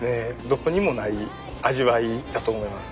どこにもない味わいだと思います。